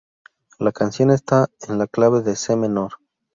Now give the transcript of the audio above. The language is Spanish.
La canción está en la clave de C menor.